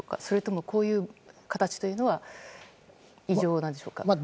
それとも、こういう形は異常なんでしょうか。